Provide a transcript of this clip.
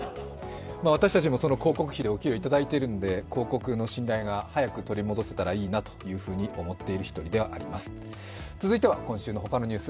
私たちも広告費でお給料をいただいているので広告の信頼が早く取り戻せたらいいなと思っている一人ではあります。